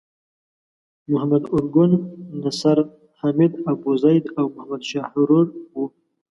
محمد ارګون، نصر حامد ابوزید او محمد شحرور وو.